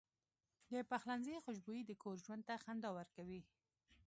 د پخلنځي خوشبويي د کور ژوند ته خندا ورکوي.